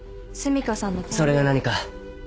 それが何か？